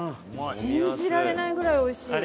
信じられないぐらいおいしい。